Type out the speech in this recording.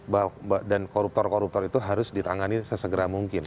bahwa dan koruptor koruptor itu harus ditangani sesegera mungkin